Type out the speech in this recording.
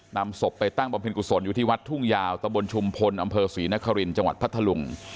นำศพไปตั้งบำเพ็ญกุศลอยู่ที่วัดทุ่งยาวตะบนชุมพลอำเภอศรีนครินทร์จังหวัดพัทธลุง